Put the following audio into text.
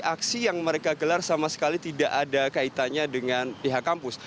aksi yang mereka gelar sama sekali tidak ada kaitannya dengan pihak kampus